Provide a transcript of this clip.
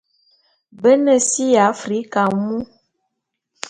Be ne si ya Africa mu.